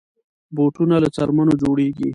بوټونه له څرمنو جوړېږي.